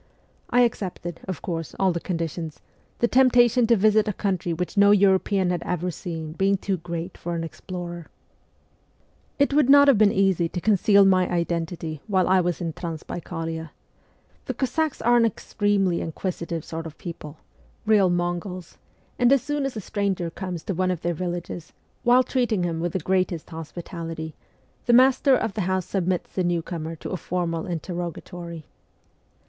I accepted, of course, all the conditions, the temptation to visit a country which no European had ever seen being too great for an explorer. It would not have been easy to conceal my identity while I was in Transbaikalia. The Cossacks are an extremely inquisitive sort of people real 234 MEMOIRS OF A REVOLUTIONIST Mongols and as soon as a stranger comes to one of their villages, while treating him with the greatest hospitality, the master of the house submits the new comer to a formal interrogatory.